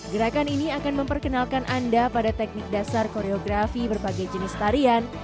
gerakan ini akan memperkenalkan anda pada teknik dasar koreografi berbagai jenis tarian